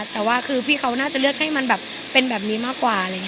แต่ว่าคือพี่เขาน่าจะเลือกให้มันแบบเป็นแบบนี้มากกว่าอะไรอย่างนี้